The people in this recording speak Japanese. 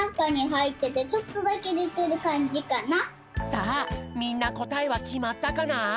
さあみんなこたえはきまったかな？